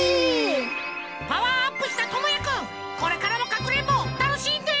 パワーアップしたともやくんこれからもかくれんぼたのしんで！